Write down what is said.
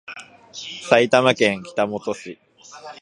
埼玉県北本市